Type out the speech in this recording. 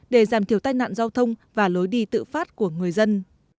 để giảm thiểu tai nạn giao thông và lối đi tự phát của người dân